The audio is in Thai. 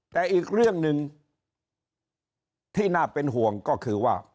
แต่อีกเรื่องหนึ่งที่น่าเป็นห่วงก็คือว่า